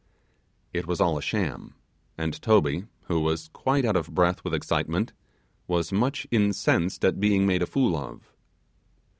It was all a sham, and Toby, who was quite out of breath with excitement, was much incensed at being made a fool of.